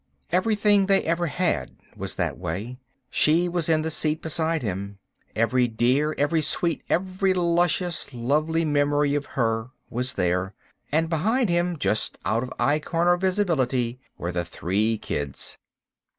Everything they had ever had was that way. She was in the seat beside him. Every dear, every sweet, every luscious, lovely memory of her was there ... and behind him, just out of eye corner visibility, were the three kids.